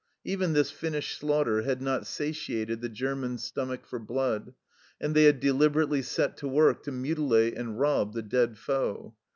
Even this finished slaughter had not satiated the Germans' stomach for blood, and they had deliberately set to work to mutilate and rob the dead foe.